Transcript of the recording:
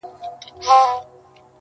او ابۍ به دي له کوم رنځه کړیږي!!!